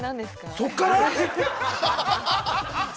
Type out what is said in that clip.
◆そこから？